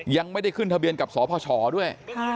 ยังไม่ได้ขึ้นทะเบียนกับสพชด้วย